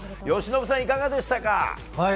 由伸さん、いかがでしたか？